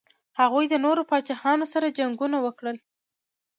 هغوی د نورو پاچاهانو سره جنګونه وکړل.